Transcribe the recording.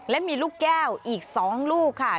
และมีลูกแก้วอีก๒ลูกค่ะ